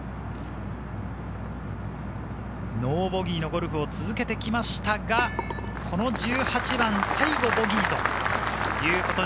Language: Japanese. ノーボギーのゴルフを続けてきましたが、１８番、最後はボギー。